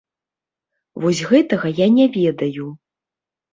Вось гэтага я не ведаю.